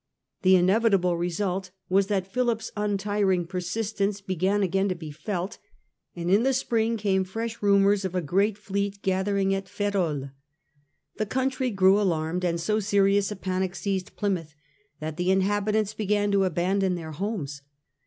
The inevitable result was that Philip's untiring persistence began again to be felt, and in the spring came fresh rumours of a great fleet gathering at Ferrol. The country grew alarmed, and so serious a panic seized Plymouth that the inhabitants began to abandon their homes.